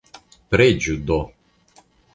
Preĝu do!